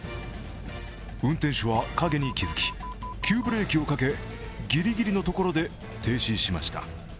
運転手は影に気づき、急ブレーキをかけ、ギリギリのところで停止しました。